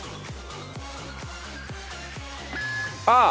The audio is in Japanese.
ああ！